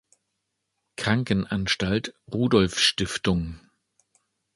Krankenanstalt Rudolfstiftung.